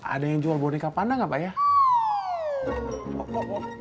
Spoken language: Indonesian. ada yang jual boneka panang nggak pak